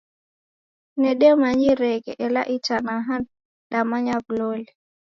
Ndedemanyireghe, ela itanaha damanya w'uloli.